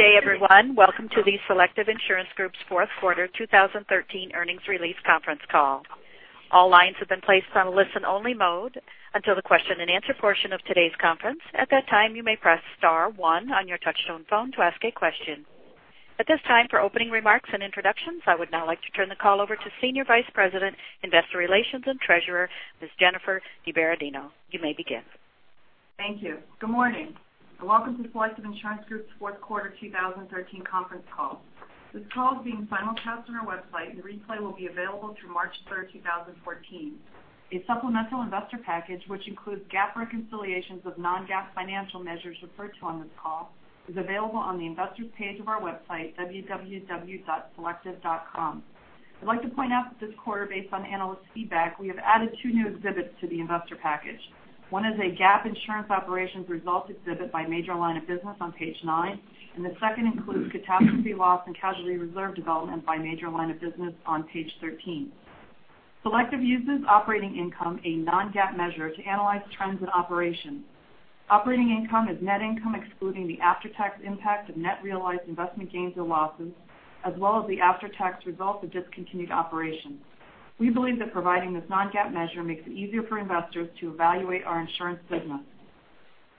Good day, everyone. Welcome to the Selective Insurance Group's fourth quarter 2013 earnings release conference call. All lines have been placed on listen-only mode until the question and answer portion of today's conference. At that time, you may press star one on your touch-tone phone to ask a question. At this time, for opening remarks and introductions, I would now like to turn the call over to Senior Vice President, Investor Relations and Treasurer, Ms. Jennifer DiBerardino. You may begin. Thank you. Good morning. Welcome to Selective Insurance Group's fourth quarter 2013 conference call. This call is being webcast on our website, and the replay will be available through March 3rd, 2014. A supplemental investor package, which includes GAAP reconciliations of non-GAAP financial measures referred to on this call, is available on the investor page of our website, www.selective.com. I'd like to point out that this quarter, based on analyst feedback, we have added two new exhibits to the investor package. One is a GAAP insurance operations results exhibit by major line of business on page nine, and the second includes catastrophe loss and casualty reserve development by major line of business on page 13. Selective uses operating income, a non-GAAP measure, to analyze trends in operations. Operating income is net income excluding the after-tax impact of net realized investment gains or losses, as well as the after-tax results of discontinued operations. We believe that providing this non-GAAP measure makes it easier for investors to evaluate our insurance business.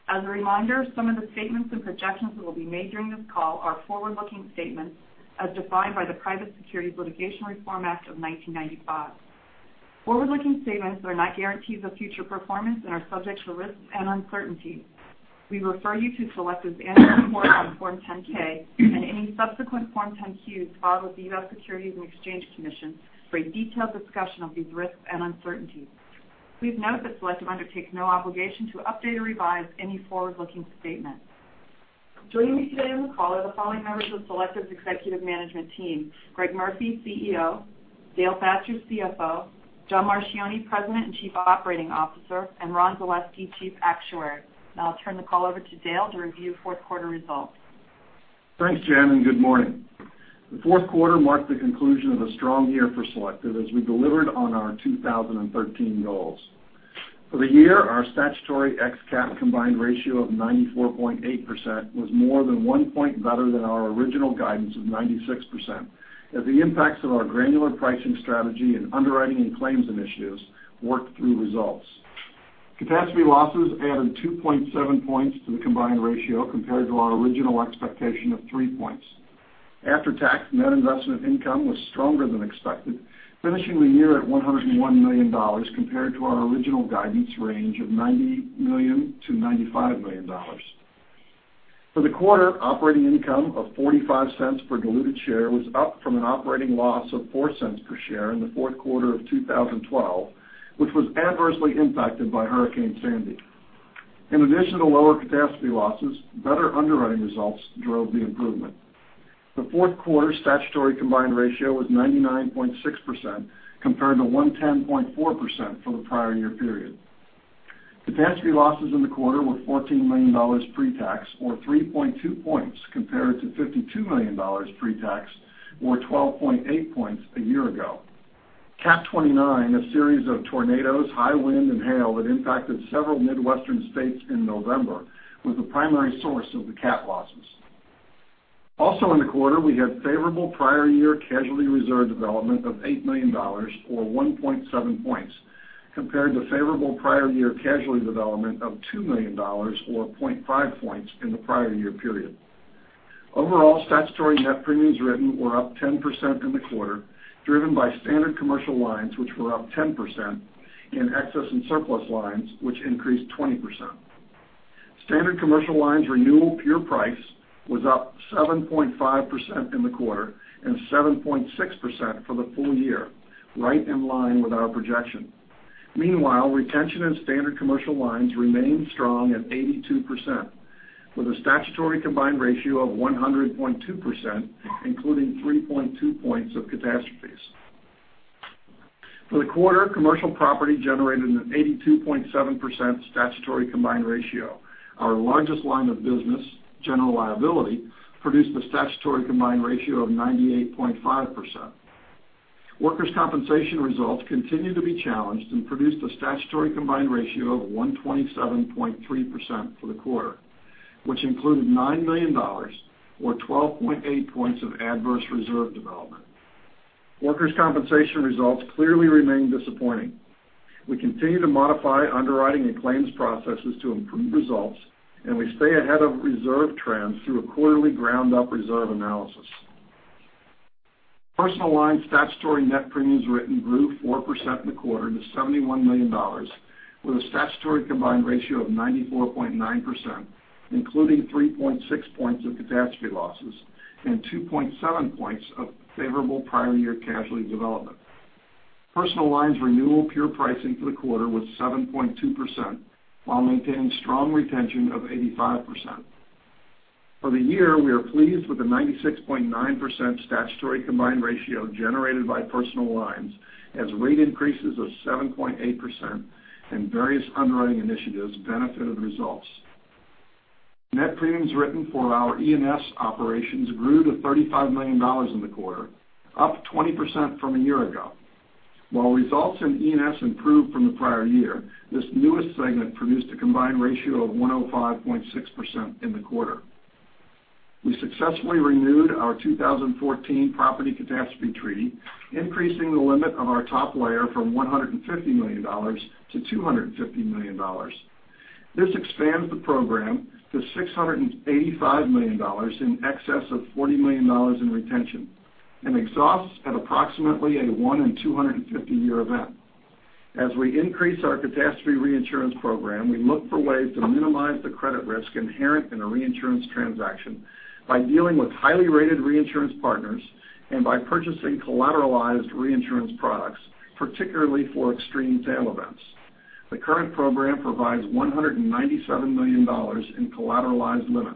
As a reminder, some of the statements and projections that will be made during this call are forward-looking statements as defined by the Private Securities Litigation Reform Act of 1995. Forward-looking statements are not guarantees of future performance and are subject to risks and uncertainties. We refer you to Selective's annual report on Form 10-K and any subsequent Form 10-Qs filed with the U.S. Securities and Exchange Commission for a detailed discussion of these risks and uncertainties. Please note that Selective undertakes no obligation to update or revise any forward-looking statements. Joining me today on the call are the following members of Selective's executive management team: Greg Murphy, CEO; Dale Thatcher, CFO; John Marchioni, President and Chief Operating Officer; and Ron Zaleski, Chief Actuary. I'll turn the call over to Dale to review fourth quarter results. Thanks, Jen, and good morning. The fourth quarter marked the conclusion of a strong year for Selective as we delivered on our 2013 goals. For the year, our statutory ex-CAT combined ratio of 94.8% was more than one point better than our original guidance of 96%, as the impacts of our granular pricing strategy and underwriting and claims initiatives worked through results. Catastrophe losses added 2.7 points to the combined ratio compared to our original expectation of three points. After-tax net investment income was stronger than expected, finishing the year at $101 million compared to our original guidance range of $90 million-$95 million. For the quarter, operating income of $0.45 per diluted share was up from an operating loss of $0.04 per share in the fourth quarter of 2012, which was adversely impacted by Hurricane Sandy. In addition to lower catastrophe losses, better underwriting results drove the improvement. The fourth quarter statutory combined ratio was 99.6%, compared to 110.4% for the prior year period. Catastrophe losses in the quarter were $14 million pre-tax, or 3.2 points, compared to $52 million pre-tax, or 12.8 points, a year ago. PCS Catastrophe 29, a series of tornadoes, high wind, and hail that impacted several Midwestern states in November, was the primary source of the CAT losses. Also in the quarter, we had favorable prior year casualty reserve development of $8 million, or 1.7 points, compared to favorable prior year casualty development of $2 million, or 0.5 points, in the prior year period. Overall statutory net premiums written were up 10% in the quarter, driven by Standard Commercial Lines, which were up 10%, and Excess and Surplus Lines, which increased 20%. Standard Commercial Lines renewal pure price was up 7.5% in the quarter and 7.6% for the full year, right in line with our projection. Meanwhile, retention in Standard Commercial Lines remained strong at 82%, with a statutory combined ratio of 100.2%, including 3.2 points of catastrophes. For the quarter, Commercial Property generated an 82.7% statutory combined ratio. Our largest line of business, General Liability, produced a statutory combined ratio of 98.5%. Workers' Compensation results continued to be challenged and produced a statutory combined ratio of 127.3% for the quarter, which included $9 million, or 12.8 points of adverse reserve development. Workers' Compensation results clearly remain disappointing. We continue to modify underwriting and claims processes to improve results, and we stay ahead of reserve trends through a quarterly ground-up reserve analysis. Personal Lines statutory net premiums written grew 4% in the quarter to $71 million, with a statutory combined ratio of 94.9%, including 3.6 points of catastrophe losses and 2.7 points of favorable prior year casualty development. Personal Lines renewal pure pricing for the quarter was 7.2%, while maintaining strong retention of 85%. For the year, we are pleased with the 96.9% statutory combined ratio generated by Personal Lines as rate increases of 7.8% and various underwriting initiatives benefited results. Net premiums written for our E&S operations grew to $35 million in the quarter, up 20% from a year ago. While results in E&S improved from the prior year, this newest segment produced a combined ratio of 105.6% in the quarter. We successfully renewed our 2014 property catastrophe treaty, increasing the limit on our top layer from $150 million to $250 million. This expands the program to $685 million in excess of $40 million in retention and exhausts at approximately a one in 250 year event. As we increase our catastrophe reinsurance program, we look for ways to minimize the credit risk inherent in a reinsurance transaction by dealing with highly rated reinsurance partners and by purchasing collateralized reinsurance products, particularly for extreme tail events. The current program provides $197 million in collateralized limit.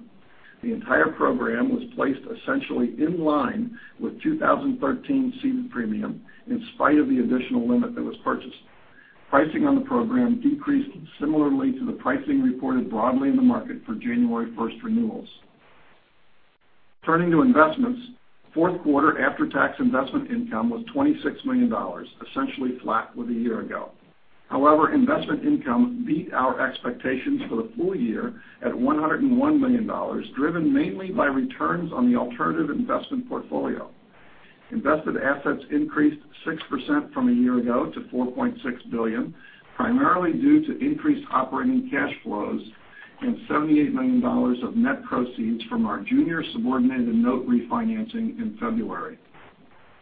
The entire program was placed essentially in line with 2013 ceded premium, in spite of the additional limit that was purchased. Pricing on the program decreased similarly to the pricing reported broadly in the market for January 1st renewals. Turning to investments, fourth quarter after-tax investment income was $26 million, essentially flat with a year ago. However, investment income beat our expectations for the full year at $101 million, driven mainly by returns on the alternative investment portfolio. Invested assets increased 6% from a year ago to $4.6 billion, primarily due to increased operating cash flows and $78 million of net proceeds from our junior subordinated and note refinancing in February.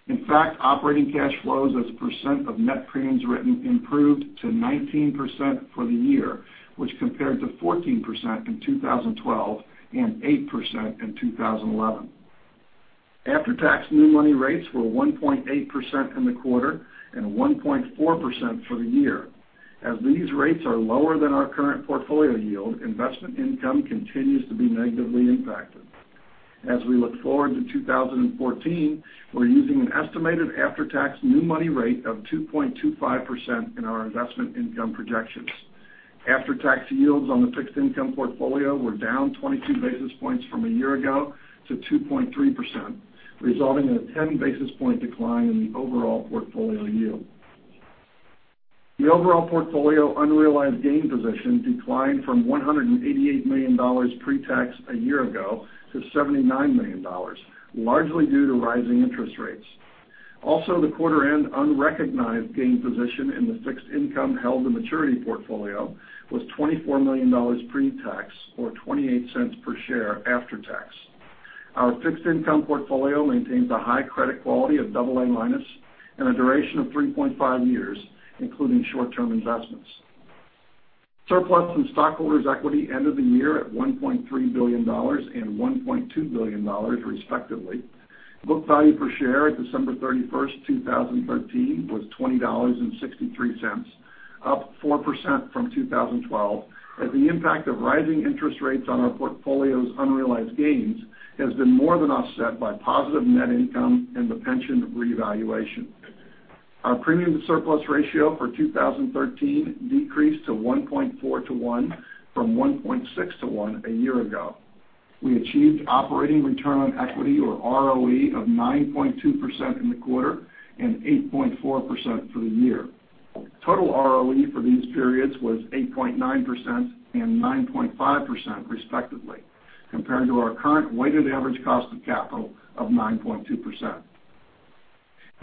In fact, operating cash flows as a percent of net premiums written improved to 19% for the year, which compared to 14% in 2012 and 8% in 2011. After-tax new money rates were 1.8% in the quarter and 1.4% for the year. As these rates are lower than our current portfolio yield, investment income continues to be negatively impacted. As we look forward to 2014, we're using an estimated after-tax new money rate of 2.25% in our investment income projections. After-tax yields on the fixed income portfolio were down 22 basis points from a year ago to 2.3%, resulting in a 10 basis point decline in the overall portfolio yield. The overall portfolio unrealized gain position declined from $188 million pre-tax a year ago to $79 million, largely due to rising interest rates. Also, the quarter end unrecognized gain position in the fixed income held to maturity portfolio was $24 million pre-tax, or $0.28 per share after tax. Our fixed income portfolio maintains a high credit quality of double A minus and a duration of 3.5 years, including short-term investments. Surplus and stockholders' equity ended the year at $1.3 billion and $1.2 billion, respectively. Book value per share at December 31st, 2013, was $20.63, up 4% from 2012, as the impact of rising interest rates on our portfolio's unrealized gains has been more than offset by positive net income and the pension revaluation. Our premium to surplus ratio for 2013 decreased to 1.4 to one from 1.6 to one a year ago. We achieved operating return on equity, or ROE, of 9.2% in the quarter and 8.4% for the year. Total ROE for these periods was 8.9% and 9.5%, respectively, compared to our current weighted average cost of capital of 9.2%.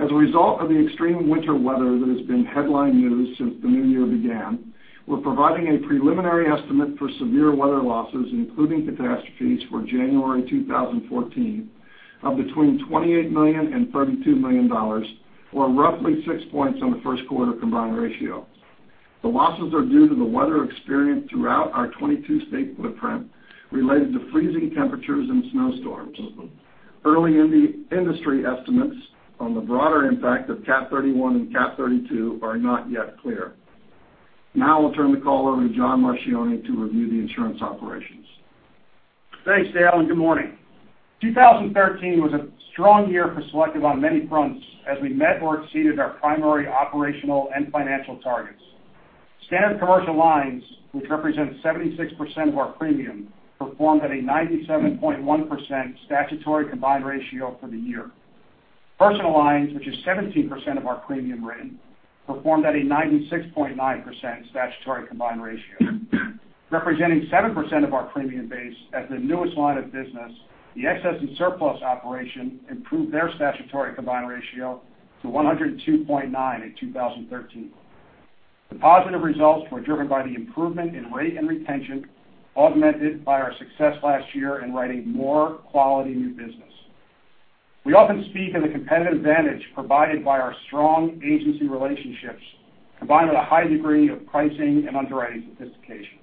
As a result of the extreme winter weather that has been headline news since the new year began, we're providing a preliminary estimate for severe weather losses, including catastrophes for January 2014, of between $28 million and $32 million, or roughly 6 points on the first quarter combined ratio. The losses are due to the weather experienced throughout our 22 state footprint related to freezing temperatures and snowstorms. Early industry estimates on the broader impact of Cat 31 and Cat 32 are not yet clear. Now I'll turn the call over to John Marchioni to review the insurance operations. Thanks, Dale, and good morning. 2013 was a strong year for Selective on many fronts as we met or exceeded our primary operational and financial targets. Standard Commercial Lines, which represents 76% of our premium, performed at a 97.1% statutory combined ratio for the year. Personal Lines, which is 17% of our premium written, performed at a 96.9% statutory combined ratio. Representing 7% of our premium base as the newest line of business, the Excess and Surplus Lines operation improved their statutory combined ratio to 102.9 in 2013. The positive results were driven by the improvement in rate and retention, augmented by our success last year in writing more quality new business. We often speak of the competitive advantage provided by our strong agency relationships, combined with a high degree of pricing and underwriting sophistication.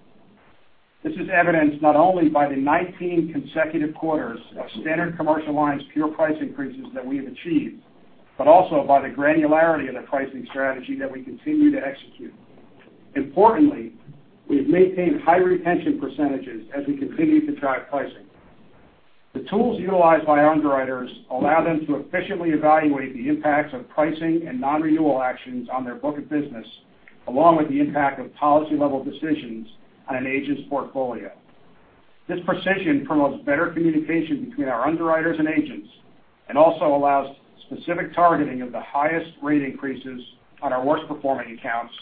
This is evidenced not only by the 19 consecutive quarters of Standard Commercial Lines pure price increases that we have achieved, also by the granularity of the pricing strategy that we continue to execute. Importantly, we've maintained high retention percentages as we continue to drive pricing. The tools utilized by underwriters allow them to efficiently evaluate the impacts of pricing and non-renewal actions on their book of business, along with the impact of policy-level decisions on an agent's portfolio. This precision promotes better communication between our underwriters and agents also allows specific targeting of the highest rate increases on our worst-performing accounts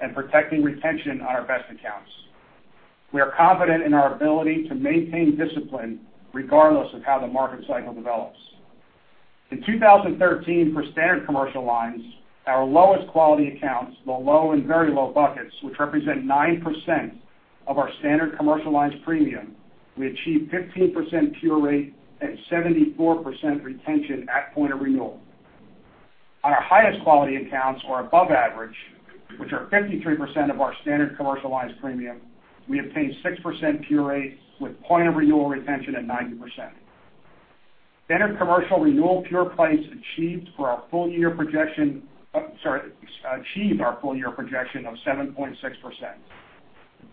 and protecting retention on our best accounts. We are confident in our ability to maintain discipline regardless of how the market cycle develops. In 2013, for Standard Commercial Lines, our lowest quality accounts, the low and very low buckets, which represent 9% of our Standard Commercial Lines premium, we achieved 15% pure rate and 74% retention at point of renewal. On our highest quality accounts or above average, which are 53% of our Standard Commercial Lines premium, we obtained 6% pure rate with point of renewal retention at 90%. Standard Commercial Lines renewal pure price achieved our full year projection of 7.6%.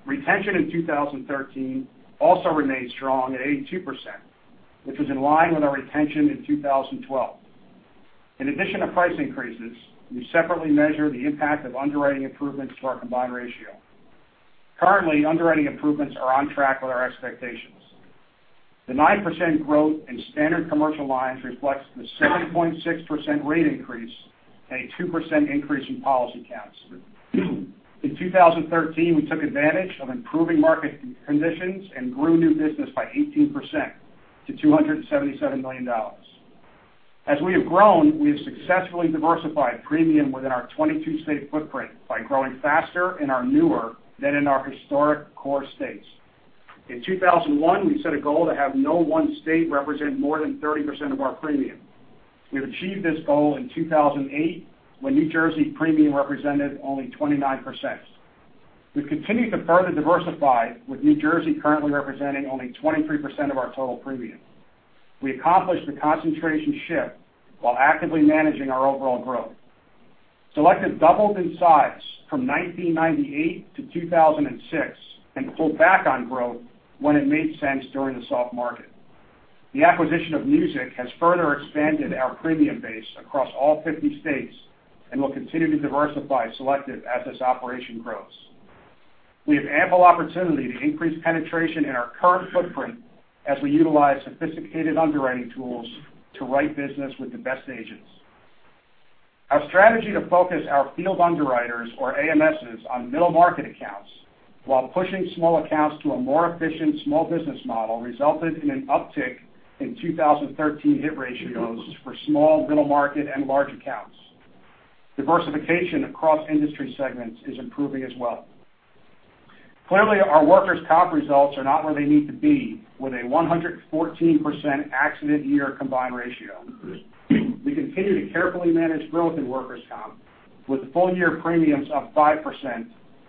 Retention in 2013 also remained strong at 82%, which was in line with our retention in 2012. In addition to price increases, we separately measure the impact of underwriting improvements to our combined ratio. Currently, underwriting improvements are on track with our expectations. The 9% growth in Standard Commercial Lines reflects the 7.6% rate increase and a 2% increase in policy counts. In 2013, we took advantage of improving market conditions and grew new business by 18% to $277 million. As we have grown, we have successfully diversified premium within our 22-state footprint by growing faster and are newer than in our historic core states. In 2001, we set a goal to have no one state represent more than 30% of our premium. We have achieved this goal in 2008, when New Jersey premium represented only 29%. We've continued to further diversify, with New Jersey currently representing only 23% of our total premium. We accomplished the concentration shift while actively managing our overall growth. Selective doubled in size from 1998 to 2006 and pulled back on growth when it made sense during the soft market. The acquisition of MUSIC has further expanded our premium base across all 50 states and will continue to diversify Selective as this operation grows. We have ample opportunity to increase penetration in our current footprint as we utilize sophisticated underwriting tools to write business with the best agents. Our strategy to focus our field underwriters or AMSs on middle market accounts while pushing small accounts to a more efficient small business model resulted in an uptick in 2013 hit ratios for small, middle market, and large accounts. Diversification across industry segments is improving as well. Clearly, our Workers' Compensation results are not where they need to be with a 114% accident year combined ratio. We continue to carefully manage growth in Workers' Compensation with full-year premiums up 5%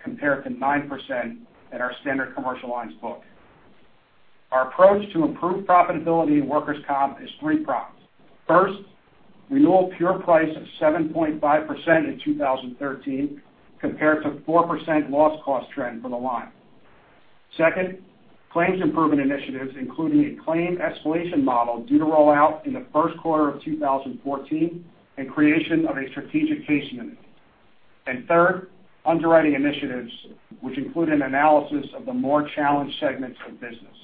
compared to 9% in our Standard Commercial Lines book. Our approach to improve profitability in Workers' Compensation is three-pronged. First, renewal pure price of 7.5% in 2013 compared to 4% loss cost trend for the line. Second, claims improvement initiatives, including a claim escalation model due to roll out in the first quarter of 2014 and creation of a strategic case unit. Third, underwriting initiatives, which include an analysis of the more challenged segments of the business.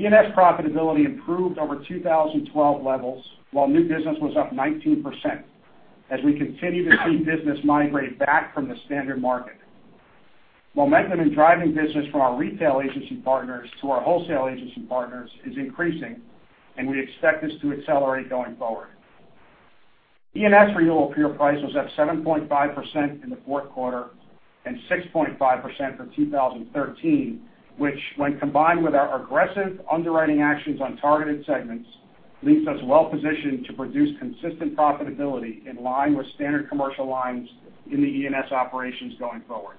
E&S profitability improved over 2012 levels while new business was up 19%, as we continue to see business migrate back from the standard market. Momentum in driving business from our retail agency partners to our wholesale agency partners is increasing, we expect this to accelerate going forward. E&S renewal pure price was up 7.5% in the fourth quarter and 6.5% for 2013, which, when combined with our aggressive underwriting actions on targeted segments, leaves us well positioned to produce consistent profitability in line with Standard Commercial Lines in the E&S operations going forward.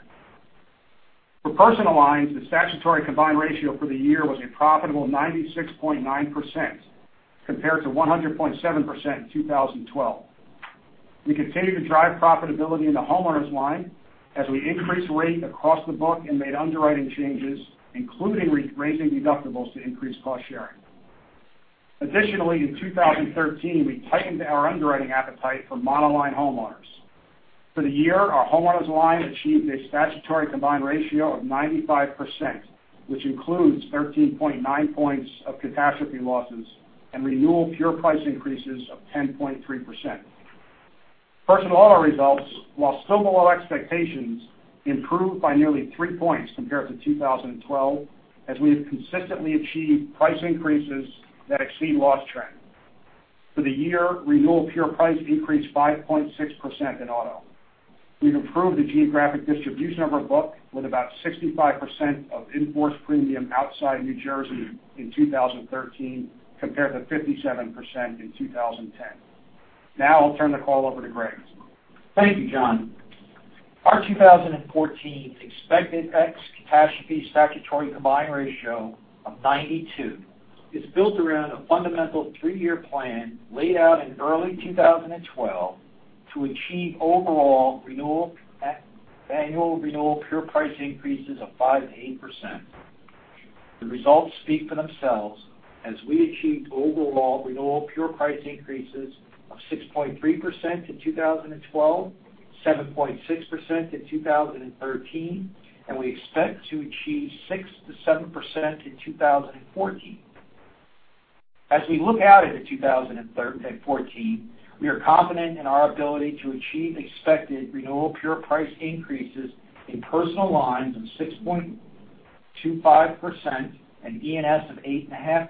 For Personal Lines, the statutory combined ratio for the year was a profitable 96.9% compared to 100.7% in 2012. We continue to drive profitability in the homeowners line as we increased rate across the book and made underwriting changes, including raising deductibles to increase cost sharing. Additionally, in 2013, we tightened our underwriting appetite for monoline homeowners. For the year, our homeowners line achieved a statutory combined ratio of 95%, which includes 13.9 points of catastrophe losses and renewal pure price increases of 10.3%. Personal auto results, while still below expectations, improved by nearly three points compared to 2012, as we have consistently achieved price increases that exceed loss trend. For the year, renewal pure price increased 5.6% in auto. We've improved the geographic distribution of our book, with about 65% of in-force premium outside New Jersey in 2013 compared to 57% in 2010. Now I'll turn the call over to Greg. Thank you, John. Our 2014 expected ex cataclysmic statutory combined ratio of 92 is built around a fundamental three-year plan laid out in early 2012 to achieve overall annual renewal pure price increases of 5%-8%. The results speak for themselves as we achieved overall renewal pure price increases of 6.3% in 2012, 7.6% in 2013, and we expect to achieve 6%-7% in 2014. As we look out into 2014, we are confident in our ability to achieve expected renewal pure price increases in Personal Lines of 6.25% and E&S of 8.5%.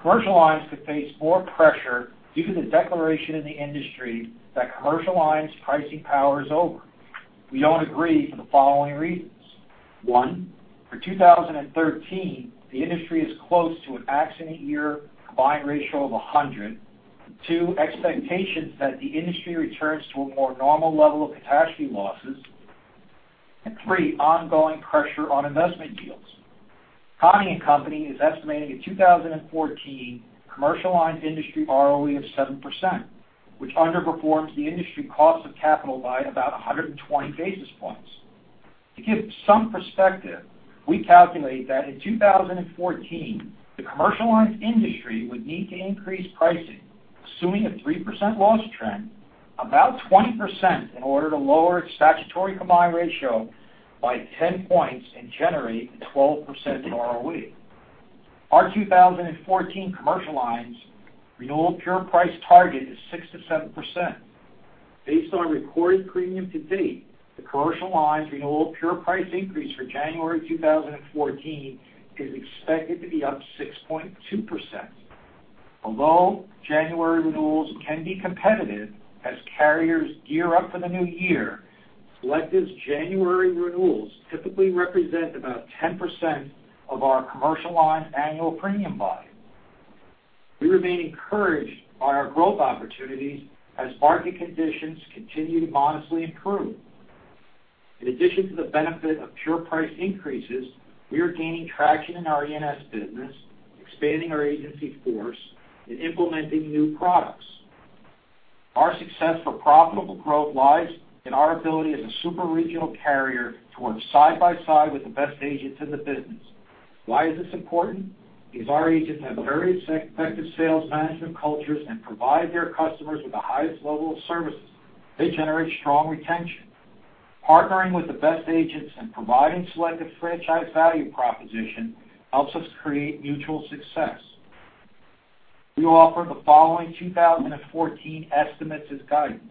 commercial lines could face more pressure due to the declaration in the industry that commercial lines pricing power is over. We don't agree for the following reasons. One, for 2013, the industry is close to an accident year combined ratio of 100. Two, expectations that the industry returns to a more normal level of catastrophe losses. Three, ongoing pressure on investment yields. Conning & Company is estimating a 2014 commercial lines industry ROE of 7%, which underperforms the industry cost of capital by about 120 basis points. To give some perspective, we calculate that in 2014, the commercial lines industry would need to increase pricing, assuming a 3% loss trend, about 20% in order to lower its statutory combined ratio by 10 points and generate a 12% ROE. Our 2014 commercial lines renewal pure price target is 6%-7%. Based on recorded premium to date, the commercial lines renewal pure price increase for January 2014 is expected to be up 6.2%. Although January renewals can be competitive as carriers gear up for the new year, Selective's January renewals typically represent about 10% of our commercial lines annual premium volume. We remain encouraged by our growth opportunities as market conditions continue to modestly improve. In addition to the benefit of pure price increases, we are gaining traction in our E&S business, expanding our agency force, and implementing new products. Our success for profitable growth lies in our ability as a super regional carrier to work side by side with the best agents in the business. Why is this important? Because our agents have very effective sales management cultures and provide their customers with the highest level of services. They generate strong retention. Partnering with the best agents and providing Selective's franchise value proposition helps us create mutual success. We offer the following 2014 estimates as guidance.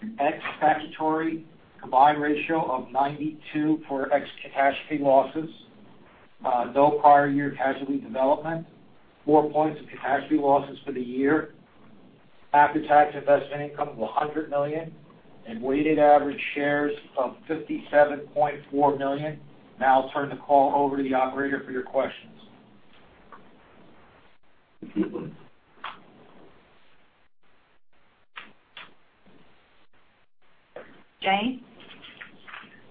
An ex statutory combined ratio of 92 for ex catastrophe losses, no prior year casualty development, four points of catastrophe losses for the year, after-tax investment income of $100 million, and weighted average shares of 57.4 million. Now I'll turn the call over to the operator for your questions. Jane,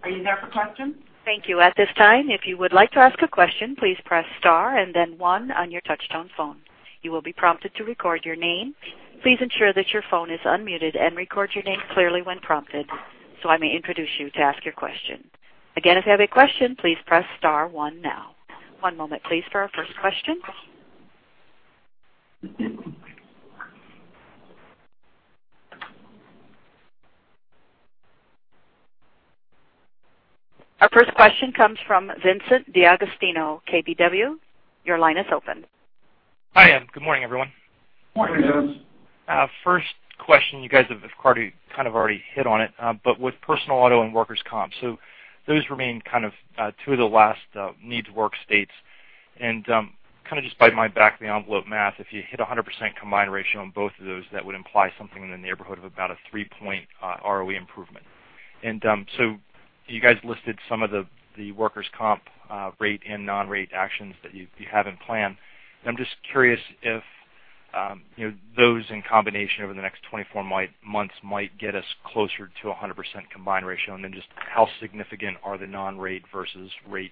are you there for questions? Thank you. At this time, if you would like to ask a question, please press star and then one on your touchtone phone. You will be prompted to record your name. Please ensure that your phone is unmuted and record your name clearly when prompted, so I may introduce you to ask your question. Again, if you have a question, please press star one now. One moment please for our first question. Our first question comes from Vincent DeAgostino, KBW. Your line is open. Hi, good morning, everyone. Good morning, Vince. First question, you guys have kind of already hit on it. With personal auto and workers' comp, those remain kind of two of the last need to work states. Just by my back of the envelope math, if you hit 100% combined ratio on both of those, that would imply something in the neighborhood of about a three-point ROE improvement. You guys listed some of the workers' comp rate and non-rate actions that you have in plan. I'm just curious if those in combination over the next 24 months might get us closer to 100% combined ratio, just how significant are the non-rate versus rate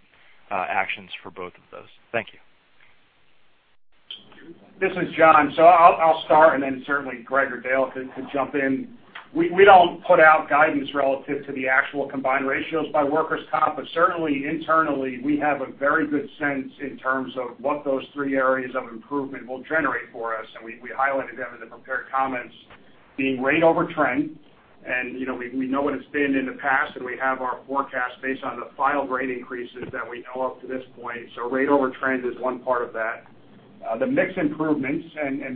actions for both of those? Thank you. This is John. I'll start, certainly Greg or Dale could jump in. We don't put out guidance relative to the actual combined ratios by workers' comp. Certainly internally, we have a very good sense in terms of what those three areas of improvement will generate for us, we highlighted them in the prepared comments being rate over trend. We know what it's been in the past, we have our forecast based on the filed rate increases that we know up to this point. Rate over trend is one part of that. The mix improvements,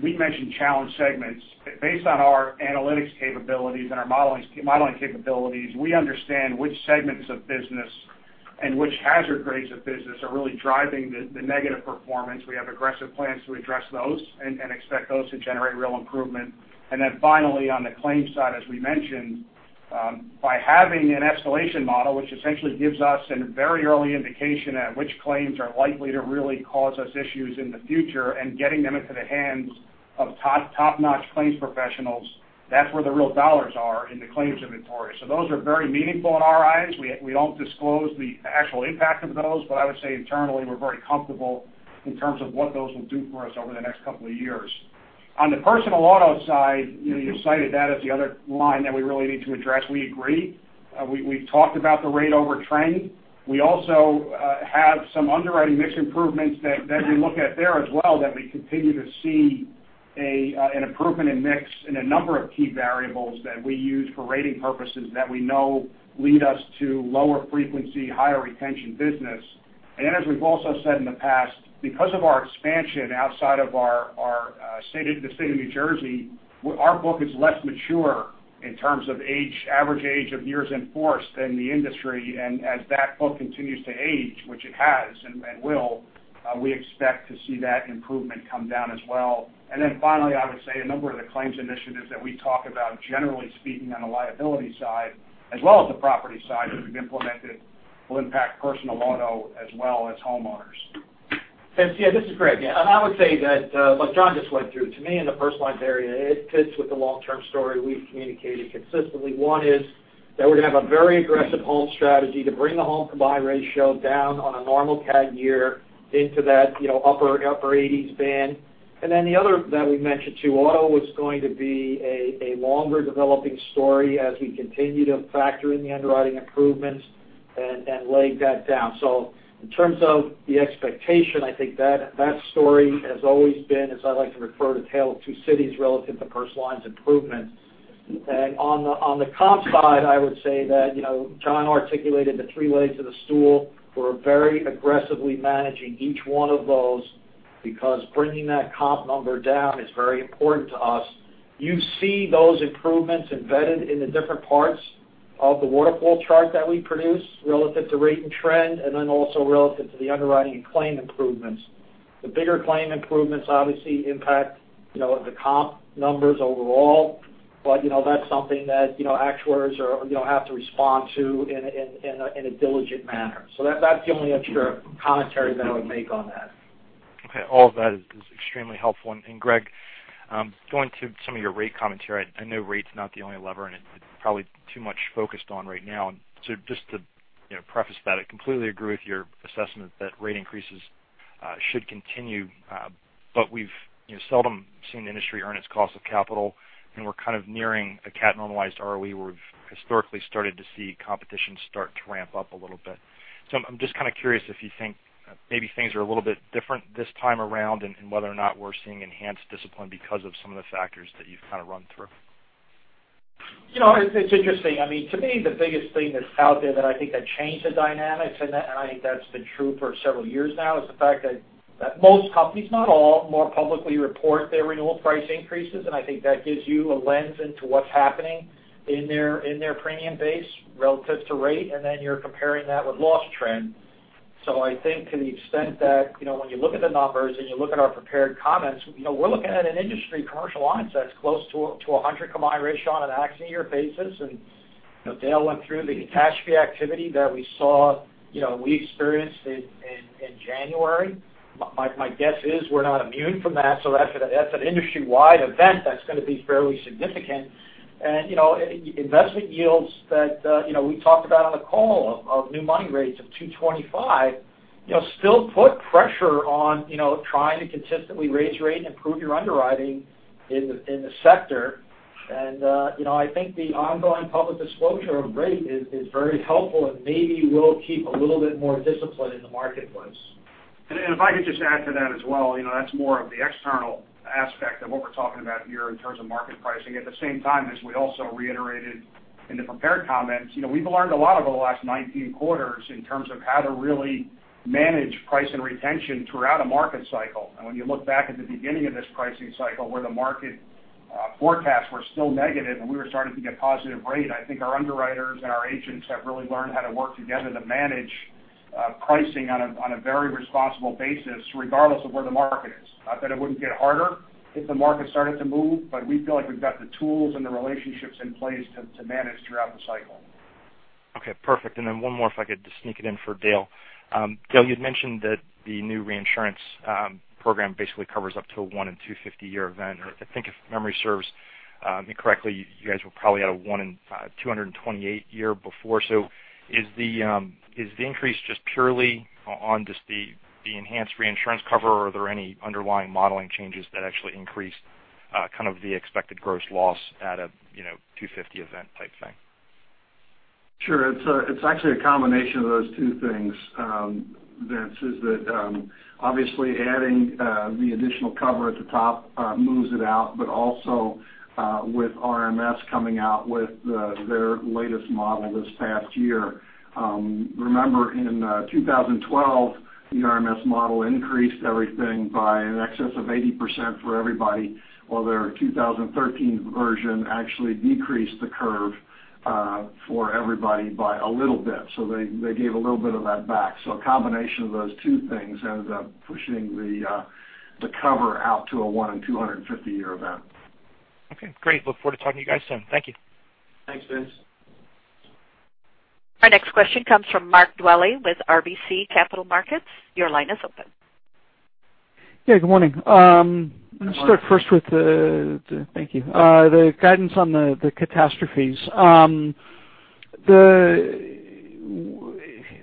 we mentioned challenge segments. Based on our analytics capabilities and our modeling capabilities, we understand which segments of business and which hazard grades of business are really driving the negative performance. We have aggressive plans to address those and expect those to generate real improvement. Finally, on the claims side, as we mentioned, by having an escalation model, which essentially gives us a very early indication at which claims are likely to really cause us issues in the future and getting them into the hands of top-notch claims professionals, that's where the real $ are in the claims inventory. Those are very meaningful in our eyes. We don't disclose the actual impact of those, I would say internally, we're very comfortable in terms of what those will do for us over the next couple of years. On the personal auto side, you cited that as the other line that we really need to address. We agree We've talked about the rate over trend. We also have some underwriting mix improvements that we look at there as well, that we continue to see an improvement in mix in a number of key variables that we use for rating purposes that we know lead us to lower frequency, higher retention business. As we've also said in the past, because of our expansion outside of the state of New Jersey, our book is less mature in terms of average age of years in force than the industry. As that book continues to age, which it has and will, we expect to see that improvement come down as well. Finally, I would say a number of the claims initiatives that we talk about, generally speaking, on the liability side as well as the property side that we've implemented, will impact personal auto as well as homeowners. Vince, yeah, this is Greg. I would say that what John just went through, to me, in the Personal Lines area, it fits with the long-term story we've communicated consistently. One is that we're going to have a very aggressive home strategy to bring the home combined ratio down on a normal CAT year into that upper 80s band. The other that we mentioned too, auto was going to be a longer developing story as we continue to factor in the underwriting improvements and lay that down. In terms of the expectation, I think that story has always been, as I like to refer to, A Tale of Two Cities relative to Personal Lines improvements. On the comp side, I would say that John articulated the three legs of the stool. Okay. We're very aggressively managing each one of those because bringing that comp number down is very important to us. You see those improvements embedded in the different parts of the waterfall chart that we produce relative to rate and trend, also relative to the underwriting and claim improvements. The bigger claim improvements obviously impact the comp numbers overall. That's something that actuaries have to respond to in a diligent manner. That's the only other commentary that I would make on that. Okay. All of that is extremely helpful. Greg, going to some of your rate commentary, I know rate's not the only lever, and it's probably too much focused on right now. Just to preface that, I completely agree with your assessment that rate increases should continue. We've seldom seen the industry earn its cost of capital, and we're kind of nearing a CAT normalized ROE where we've historically started to see competition start to ramp up a little bit. I'm just kind of curious if you think maybe things are a little bit different this time around and whether or not we're seeing enhanced discipline because of some of the factors that you've kind of run through. It's interesting. To me, the biggest thing that's out there that I think that changed the dynamics, I think that's been true for several years now, is the fact that most companies, not all, more publicly report their renewal price increases. I think that gives you a lens into what's happening in their premium base relative to rate, then you're comparing that with loss trend. I think to the extent that when you look at the numbers and you look at our prepared comments, we're looking at an industry commercial lines that's close to 100 combined ratio on an accident year basis. Dale went through the catastrophe activity that we experienced in January. My guess is we're not immune from that's an industry-wide event that's going to be fairly significant. Investment yields that we talked about on the call of new money rates of 225 still put pressure on trying to consistently raise your rate and improve your underwriting in the sector. I think the ongoing public disclosure of rate is very helpful and maybe will keep a little bit more discipline in the marketplace. If I could just add to that as well, that's more of the external aspect of what we're talking about here in terms of market pricing. At the same time as we also reiterated in the prepared comments, we've learned a lot over the last 19 quarters in terms of how to really manage price and retention throughout a market cycle. When you look back at the beginning of this pricing cycle where the market forecasts were still negative and we were starting to get positive rate, I think our underwriters and our agents have really learned how to work together to manage pricing on a very responsible basis, regardless of where the market is. Not that it wouldn't get harder if the market started to move, but we feel like we've got the tools and the relationships in place to manage throughout the cycle. Okay, perfect. Then one more if I could just sneak it in for Dale. Dale, you'd mentioned that the new reinsurance program basically covers up to a one in 250 year event, or I think if memory serves me correctly, you guys were probably at a one in 228 year before. Is the increase just purely on just the enhanced reinsurance cover or are there any underlying modeling changes that actually increase kind of the expected gross loss at a 250 event type thing? Sure. It's actually a combination of those two things, Vince, is that obviously adding the additional cover at the top moves it out, but also with RMS coming out with their latest model this past year. Remember in 2012, the RMS model increased everything by an excess of 80% for everybody. While their 2013 version actually decreased the curve for everybody by a little bit. They gave a little bit of that back. A combination of those two things ended up pushing the cover out to a one in 250 year event. Okay, great. Look forward to talking to you guys soon. Thank you. Thanks, Vince. Our next question comes from Mark Dwelle with RBC Capital Markets. Your line is open. Yeah, good morning. Good morning. Let me start first with thank you. The guidance on the catastrophes.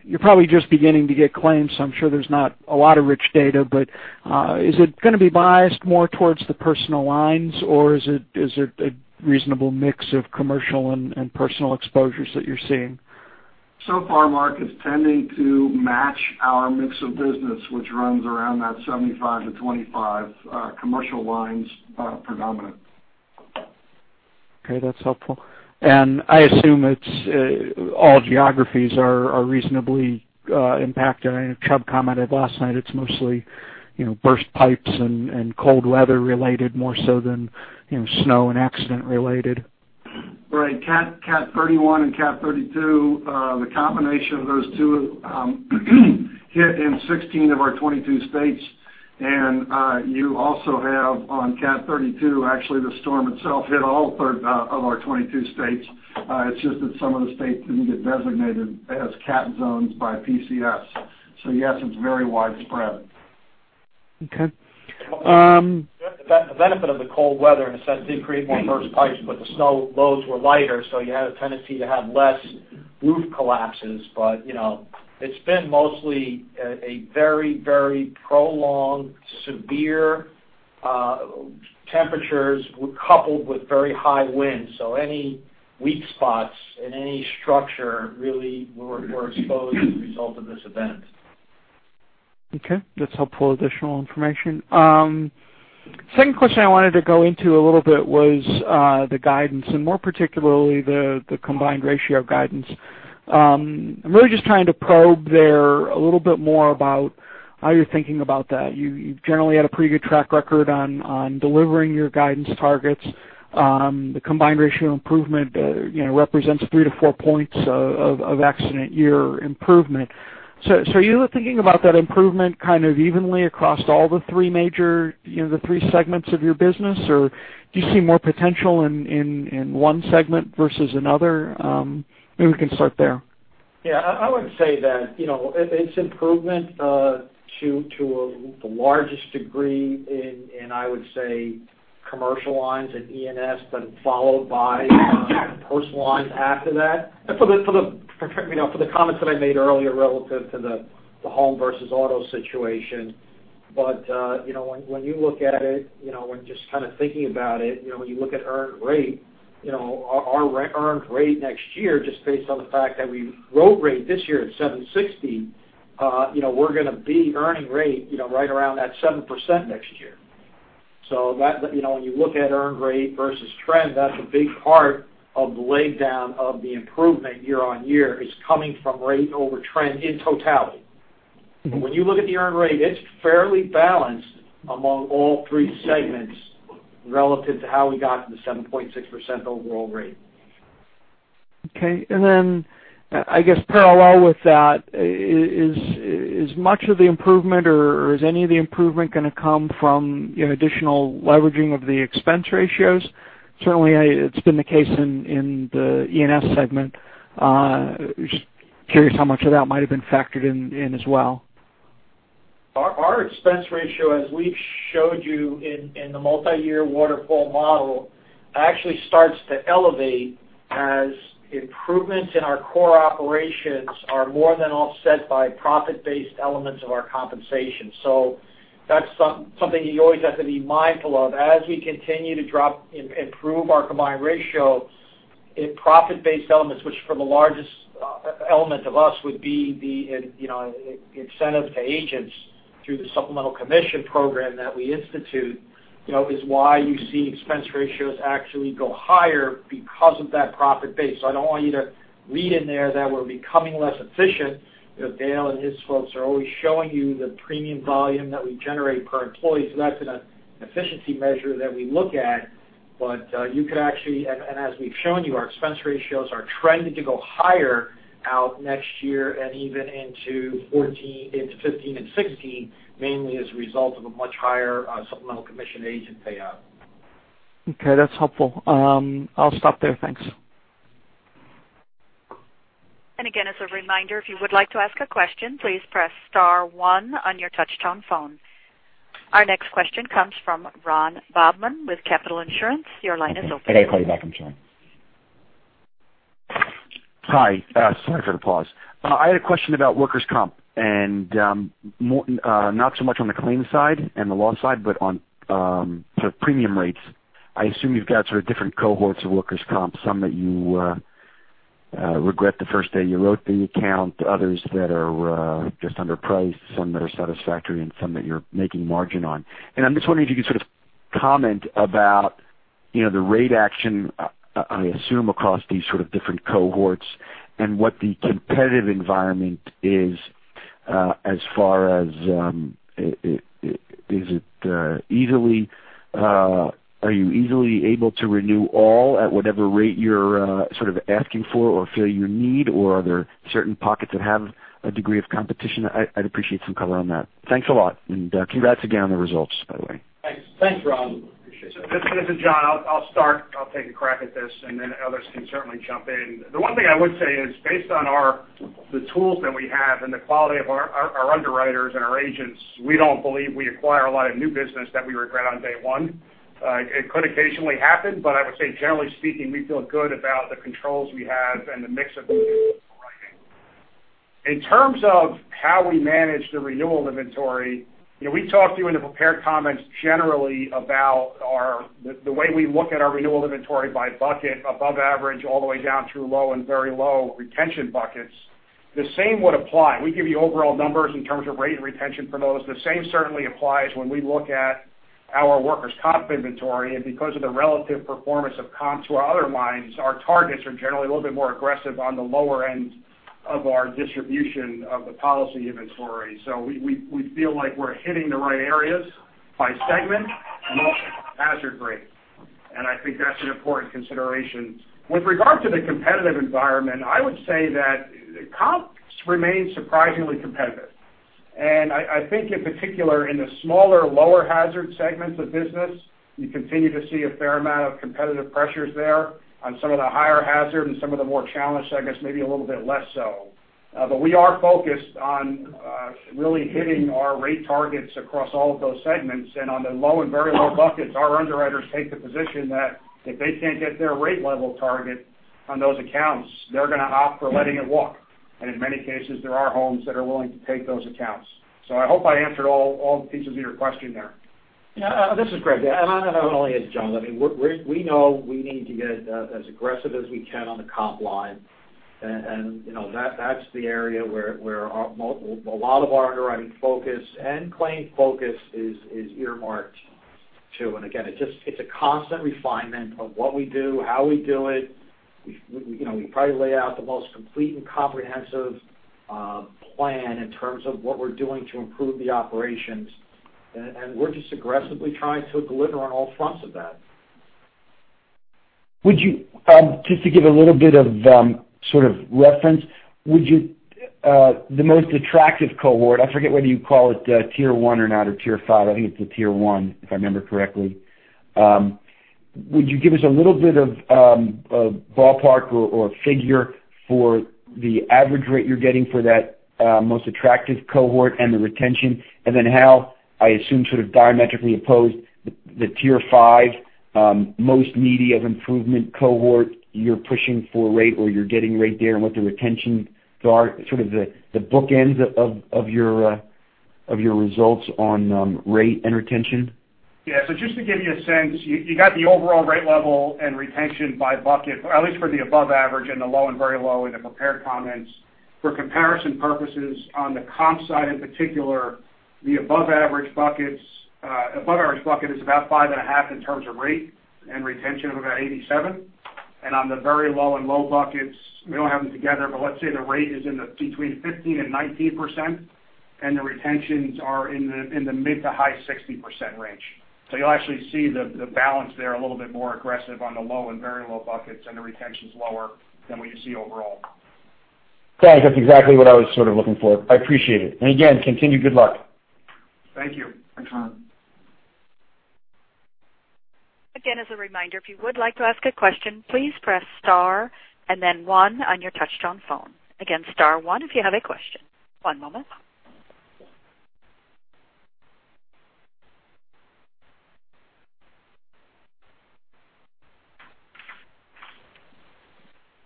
You're probably just beginning to get claims, so I'm sure there's not a lot of rich data. Is it going to be biased more towards the personal lines, or is it a reasonable mix of commercial and personal exposures that you're seeing? Far, Mark, it's tending to match our mix of business, which runs around that 75 to 25 commercial lines predominant. Okay, that's helpful. I assume it's all geographies are reasonably impacted. I know Chubb commented last night it's mostly burst pipes and cold weather related, more so than snow and accident related. Right. Cat 31 and Cat 32, the combination of those two hit in 16 of our 22 states. You also have on Cat 32, actually, the storm itself hit all 30 of our 22 states. It's just that some of the states didn't get designated as cat zones by PCS. Yes, it's very widespread. Okay. The benefit of the cold weather, in a sense, did create more burst pipes, the snow loads were lighter, you had a tendency to have less roof collapses. It's been mostly a very prolonged severe temperatures coupled with very high winds, any weak spots in any structure really were exposed as a result of this event. Okay, that's helpful additional information. Second question I wanted to go into a little bit was the guidance and more particularly, the combined ratio of guidance. I'm really just trying to probe there a little bit more about how you're thinking about that. You've generally had a pretty good track record on delivering your guidance targets. The combined ratio improvement represents three to four points of accident year improvement. Are you thinking about that improvement kind of evenly across all the three segments of your business, or do you see more potential in one segment versus another? Maybe we can start there. Yeah, I would say that it's improvement to the largest degree in, I would say, commercial lines and E&S, followed by personal lines after that. For the comments that I made earlier relative to the home versus auto situation. When you look at it, when just kind of thinking about it, when you look at earned rate, our earned rate next year, just based on the fact that we wrote rate this year at 760, we're going to be earning rate right around that 7% next year. When you look at earned rate versus trend, that's a big part of the leg down of the improvement year-on-year is coming from rate over trend in totality. When you look at the earned rate, it's fairly balanced among all three segments relative to how we got to the 7.6% overall rate. Okay. I guess parallel with that is much of the improvement or is any of the improvement going to come from additional leveraging of the expense ratios? Certainly, it's been the case in the E&S segment. Just curious how much of that might've been factored in as well. Our expense ratio, as we've showed you in the multi-year waterfall model, actually starts to elevate as improvements in our core operations are more than offset by profit-based elements of our compensation. That's something you always have to be mindful of as we continue to improve our combined ratio in profit-based elements, which for the largest element of us would be the incentive to agents through the supplemental commission program that we institute, is why you see expense ratios actually go higher because of that profit base. I don't want you to read in there that we're becoming less efficient. Dale and his folks are always showing you the premium volume that we generate per employee. That's an efficiency measure that we look at. You could actually, and as we've shown you, our expense ratios are trending to go higher out next year and even into 2014, into 2015, and 2016, mainly as a result of a much higher supplemental commission agent payout. Okay, that's helpful. I'll stop there, thanks. Again, as a reminder, if you would like to ask a question, please press star one on your touchtone phone. Our next question comes from Ron Bobman with Capital Returns Management. Your line is open. Hey, call you back in sec. Hi, sorry for the pause. I had a question about Workers' Comp and not so much on the claims side and the loss side, but on sort of premium rates. I assume you've got sort of different cohorts of Workers' Comp, some that you regret the first day you wrote the account, others that are just underpriced, some that are satisfactory, and some that you're making margin on. I'm just wondering if you could sort of comment about the rate action, I assume, across these sort of different cohorts and what the competitive environment is as far as, are you easily able to renew all at whatever rate you're sort of asking for or feel you need, or are there certain pockets that have a degree of competition? I'd appreciate some color on that. Thanks a lot, and congrats again on the results, by the way. Thanks, Ron. Appreciate it. This is John. I'll start. I'll take a crack at this. Others can certainly jump in. The one thing I would say is based on the tools that we have and the quality of our underwriters and our agents, we don't believe we acquire a lot of new business that we regret on day one. It could occasionally happen, but I would say generally speaking, we feel good about the controls we have. In terms of how we manage the renewal inventory, we talked to you in the prepared comments generally about the way we look at our renewal inventory by bucket above average, all the way down through low and very low retention buckets. The same would apply. We give you overall numbers in terms of rate and retention for those. The same certainly applies when we look at our Workers' Comp inventory. Because of the relative performance of Comp to our other lines, our targets are generally a little bit more aggressive on the lower end of our distribution of the policy inventory. We feel like we're hitting the right areas by segment, most hazard rate, and I think that's an important consideration. With regard to the competitive environment, I would say that Comp remains surprisingly competitive. I think in particular, in the smaller, lower hazard segments of business, you continue to see a fair amount of competitive pressures there. On some of the higher hazard and some of the more challenged segments, maybe a little bit less so. We are focused on really hitting our rate targets across all of those segments. On the low and very low buckets, our underwriters take the position that if they can't get their rate level target on those accounts, they're going to opt for letting it walk. In many cases, there are homes that are willing to take those accounts. I hope I answered all the pieces of your question there. Yeah. This is Greg. Not only is John. We know we need to get as aggressive as we can on the comp line. That's the area where a lot of our underwriting focus and claim focus is earmarked to. Again, it's a constant refinement of what we do, how we do it. We probably lay out the most complete and comprehensive plan in terms of what we're doing to improve the operations, and we're just aggressively trying to deliver on all fronts of that. Just to give a little bit of sort of reference, the most attractive cohort, I forget whether you call it tier 1 or not, or tier 5. I think it's a tier 1, if I remember correctly. Would you give us a little bit of a ballpark or a figure for the average rate you're getting for that most attractive cohort and the retention? Then how, I assume sort of diametrically opposed, the tier 5 most needy of improvement cohort you're pushing for rate or you're getting rate there and what the retention are, sort of the bookends of your results on rate and retention. Yeah. Just to give you a sense, you got the overall rate level and retention by bucket, at least for the above average and the low and very low in the prepared comments. For comparison purposes, on the comp side in particular, the above average bucket is about 5.5 in terms of rate, and retention of about 87. On the very low and low buckets, we don't have them together, but let's say the rate is between 15 and 19%, and the retentions are in the mid to high 60% range. You'll actually see the balance there a little bit more aggressive on the low and very low buckets, and the retention's lower than what you see overall. Thanks. That's exactly what I was sort of looking for. I appreciate it. Again, continued good luck. Thank you. Thanks, Sean. Again, as a reminder, if you would like to ask a question, please press star and then one on your touchtone phone. Again, star one if you have a question. One moment.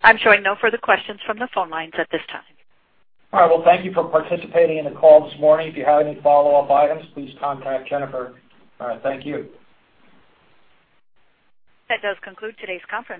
I'm showing no further questions from the phone lines at this time. All right. Well, thank you for participating in the call this morning. If you have any follow-up items, please contact Jennifer. Thank you. That does conclude today's conference.